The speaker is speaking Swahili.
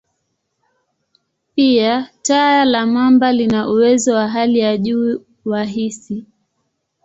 Pia, taya la mamba lina uwezo wa hali ya juu wa hisi.